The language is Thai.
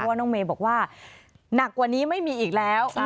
ว่าน้องเมย์บอกว่าหนักกว่านี้ไม่มีอีกแล้ว